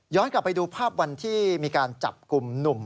กลับไปดูภาพวันที่มีการจับกลุ่มหนุ่ม